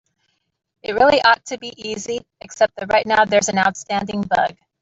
It really ought to be easy, except that right now there's an outstanding bug.